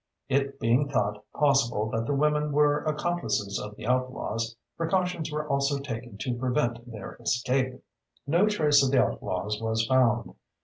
It being thought possible that the women were accomplices of the outlaws, precautions were also taken to prevent their escape. No trace of the outlaws was found.